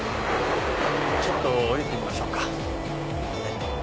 ちょっと降りてみましょうか。